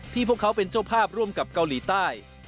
พวกเขาเป็นเจ้าภาพร่วมกับเกาหลีใต้